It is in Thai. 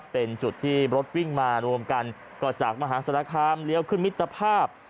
เป็นจุดที่รถวิ่งมารวมกันก็จากมหาศาลคามเลี้ยวขึ้นมิตรภาพ